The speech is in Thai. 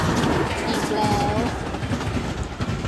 อีกแล้ว -_